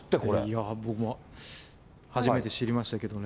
いやー、僕も初めて知りましたけどね。